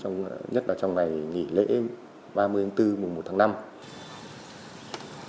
nhất là trong ngày nghỉ lễ